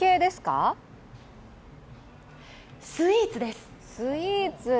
スイーツです。